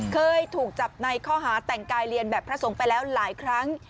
เคยถูกจับในข้อหาแต่งกายเรียนแบบพระสงฆ์ไปแล้วหลายครั้ง